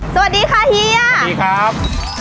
สวัสดีค่ะเฮียสวัสดีครับ